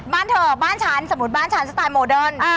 บ้านเธอบ้านฉันสมมุติบ้านฉันสไตล์โมเดิร์น